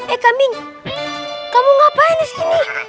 eh kambing kamu ngapain disini